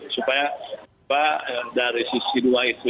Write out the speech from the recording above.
supaya dari sisi dua itu